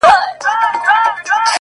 زيرى د ژوند،